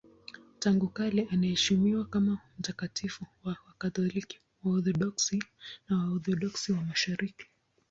Tangu kale anaheshimiwa kama mtakatifu na Wakatoliki, Waorthodoksi na Waorthodoksi wa Mashariki.